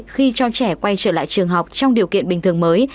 khi cho trẻ quay trở lại trường học trong điều kiện bình thường mới